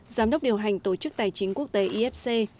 giám đốc điều hành tổ chức tài chính quốc tế ifc